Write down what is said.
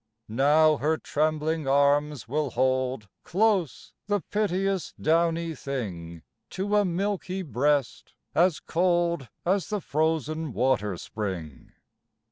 Now her trembling arms will hold Close the piteous downy thing To a milky breast as cold As the frozen water spring.